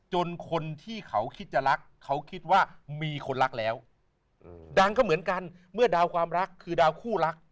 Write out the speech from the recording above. คนที่เขาคิดจะรักเขาคิดว่ามีคนรักแล้วดังก็เหมือนกันเมื่อดาวความรักคือดาวคู่รัก